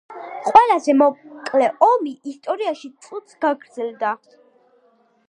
ყველაზე მოკლე ომი ისტორიაში წუთს გაგრძელდა.